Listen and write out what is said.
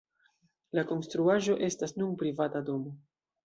La konstruaĵo estas nun privata domo.